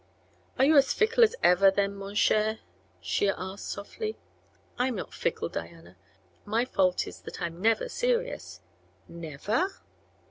"Are you as fickle as ever, then, mon cher?" she asked, softly. "I'm not fickle, Diana. My fault is that I'm never serious." "Never?"